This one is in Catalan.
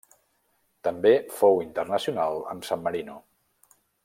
També fou internacional amb San Marino.